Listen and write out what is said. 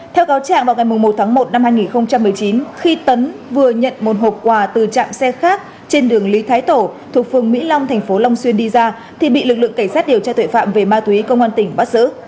theo cáo trạng vào ngày một tháng một năm hai nghìn một mươi chín khi tấn vừa nhận một hộp quà từ trạm xe khác trên đường lý thái tổ thuộc phường mỹ long thành phố long xuyên đi ra thì bị lực lượng cảnh sát điều tra tuệ phạm về ma túy công an tỉnh bắt giữ